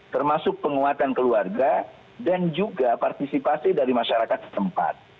termasuk penguatan keluarga dan juga partisipasi dari masyarakat tempat